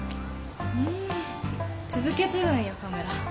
ふん続けてるんやカメラ。